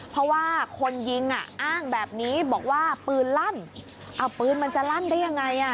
เพราะว่าคนยิงอ่ะอ้างแบบนี้บอกว่าปืนลั่นเอาปืนมันจะลั่นได้ยังไงอ่ะ